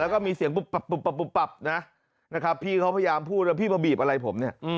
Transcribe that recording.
แล้วก็มีเสียงปุ๊บปับนะนะครับพี่เขาพยายามพูดว่าพี่มาบีบอะไรผมเนี่ย